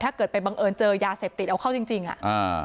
ถ้าเกิดไปบังเอิญเจอยาเสพติดเอาเข้าจริงจริงอ่ะอ่า